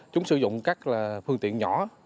chúng sử dụng các phương tiện nhỏ